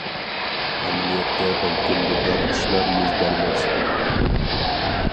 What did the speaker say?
ئەمەلىيەتتە بەلكىم بۇنداق ئىشلار يۈز بەرمەس.